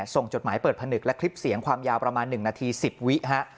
จดหมายเปิดผนึกและคลิปเสียงความยาวประมาณ๑นาที๑๐วิฮะ